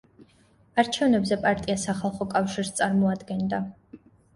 არჩევნებზე პარტია „სახალხო კავშირს“ წარმოადგენდა.